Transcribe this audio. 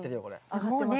上がってますね。